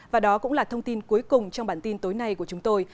và đó cũng là thông tin cuối cùng trong bản tin tối nay của chúng tôi